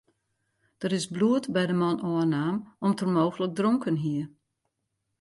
Der is bloed by de man ôfnaam om't er mooglik dronken hie.